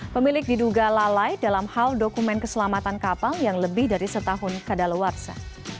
pemilik diduga lalai dalam hal dokumen keselamatan kapal yang lebih dari setahun kadaluarsa